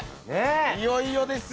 いよいよですよ。